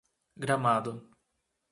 Gramado